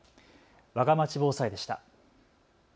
わがまち防災でした。